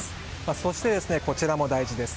そして、こちらも大事です。